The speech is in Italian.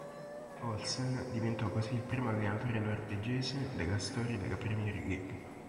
Olsen diventò così il primo allenatore norvegese della storia della Premier League.